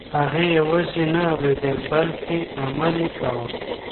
هغې یوازې نه اورېدل بلکه عمل یې کاوه.